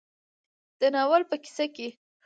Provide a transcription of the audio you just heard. د ناول په کيسه کې